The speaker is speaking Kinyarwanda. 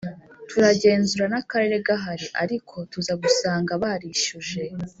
turagenzura nakarere gahari ariko tuza gusanga barishyuje